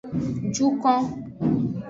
Jukon.